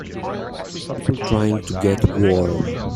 People trying to get warm.